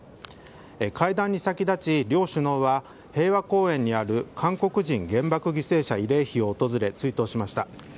会談に先立ち両首脳は平和公園にある韓国人原爆犠牲者慰霊碑を訪れ追悼しました。